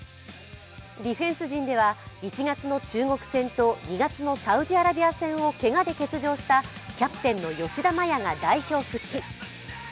ディフェンス陣では１月の中国戦と２月のサウジアラビア戦をけがで欠場したキャプテンの吉田麻也が代表復帰。